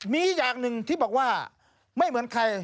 มีอย่างหนึ่งที่บอกว่าไม่เหมือนใคร